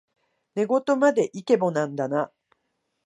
寝言までイケボなんだな